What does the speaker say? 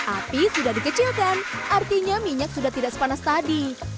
api sudah dikecilkan artinya minyak sudah tidak sepanas tadi